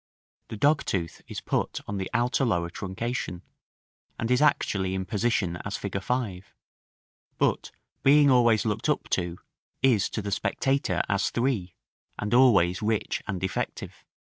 The dogtooth is put on the outer lower truncation, and is actually in position as fig. 5; but being always looked up to, is to the spectator as 3, and always rich and effective.